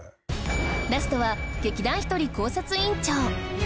ラストは劇団ひとり考察委員長